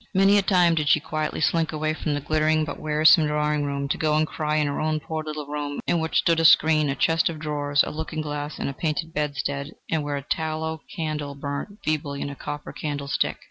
Many a time did she quietly slink away from the glittering but wearisome drawing room, to go and cry in her own poor little room, in which stood a screen, a chest of drawers, a looking glass and a painted bedstead, and where a tallow candle burnt feebly in a copper candle stick.